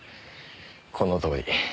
このとおり。